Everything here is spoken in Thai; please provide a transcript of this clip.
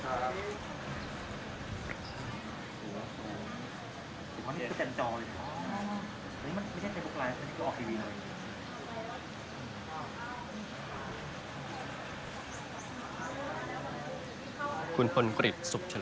กลับมาที่นี่